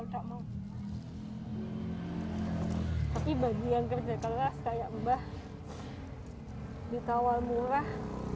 tapi bagi yang kerja keras kayak mbak ditawar murah